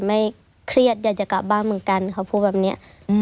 ไม่เครียดอยากจะกลับบ้านเหมือนกันเขาพูดแบบเนี้ยอืม